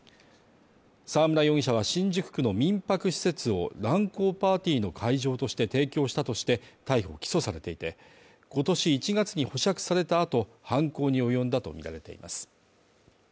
沢村容疑者は新宿区の民泊施設を乱交パーティーの会場として提供したとして逮捕・起訴されていて、今年１月に保釈された後、犯行に及んだとみられています。